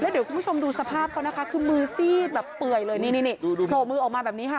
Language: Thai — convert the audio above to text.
เดี๋ยวคุณผู้ชมดูสภาพเขานะคะคือมือซีดแบบเปื่อยเลยนี่โผล่มือออกมาแบบนี้ค่ะ